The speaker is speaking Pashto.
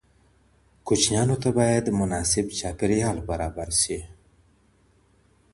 ماشوم ته باید مناسب چاپیریال برابر شي.